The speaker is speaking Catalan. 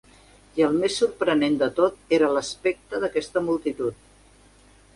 I el més sorprenent de tot era l'aspecte d'aquesta multitud.